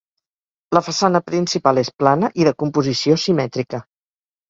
La façana principal és plana i de composició simètrica.